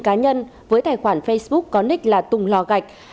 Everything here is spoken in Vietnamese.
cá nhân với tài khoản facebook có nick là tùng lò gạch